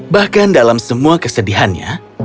bahkan dalam semua kesedihannya